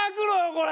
これ。